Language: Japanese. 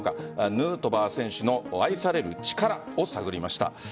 ヌートバー選手の愛される力を探りました。